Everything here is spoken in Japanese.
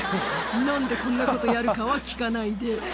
なんでこんなことやるかは聞かないで。